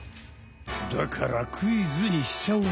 だからクイズにしちゃおう！